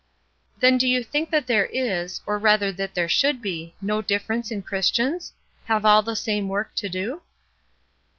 "Then do you think that there is, or rather that there should be, no difference in Christians? Have all the same work to do?"